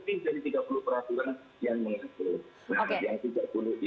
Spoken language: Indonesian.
nah untuk itu kita tidak boleh curiga dan tidak boleh bingung pada penduduk diperjual ke liga